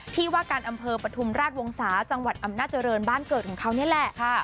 ที่ว่าการอำเภอปฐุมราชวงศาจังหวัดอำนาจริงบ้านเกิดของเขานี่แหละค่ะ